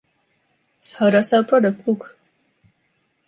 How does our product look?